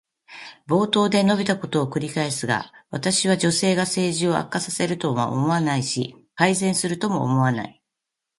冒頭で述べたことを繰り返すが、私は女性が政治を悪化させるとは思わないし、改善するとも思わない。